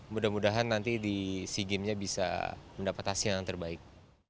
mudah mudahan nanti di sea games nya bisa mendapat hasil yang terbaik